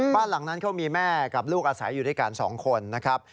บ้านหลังนั้นเขามีแม่กับลูกอาศัยอยู่ด้วยกัน๒คนนะครับ